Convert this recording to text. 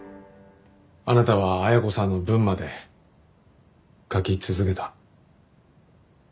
あなたは恵子さんの分まで書き続けた。